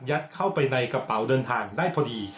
เข้าไปในกระเป๋าเดินทางได้พอดี